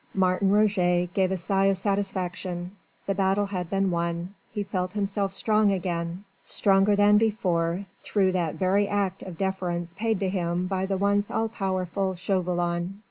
Martin Roget gave a sigh of satisfaction. The battle had been won: he felt himself strong again stronger than before through that very act of deference paid to him by the once all powerful Chauvelin.